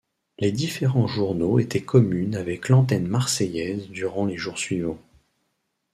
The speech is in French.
Les différents journaux étaient communes avec l'antenne marseillaise durant les jours suivants.